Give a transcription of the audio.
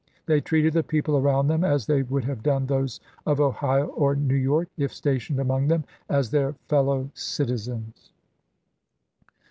They treated the people around them as they would have done those of Ohio or New York, if stationed among them, as their fellow citizens."